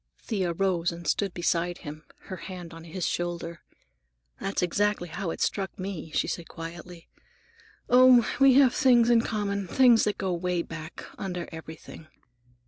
Thea rose and stood beside him, her hand on his shoulder. "That's exactly how it struck me," she said quietly. "Oh, we have things in common, things that go away back, under everything.